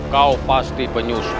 kau pasti penyusup